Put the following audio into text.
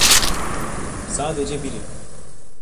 Sadece biri.